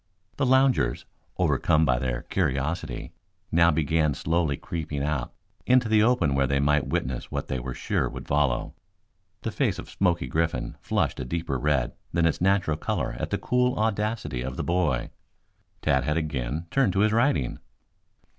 The loungers, overcome by their curiosity, now began slowly creeping out into the open where they might witness what they were sure would follow. The face of Smoky Griffin flushed a deeper red than its natural color at the cool audacity of the boy. Tad had again turned to his writing.